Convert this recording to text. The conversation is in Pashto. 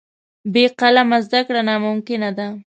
بې قلمه زده کړه ناممکنه ده.